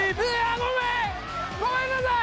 ごめんなさい！